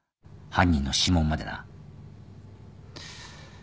犯人の指紋までな。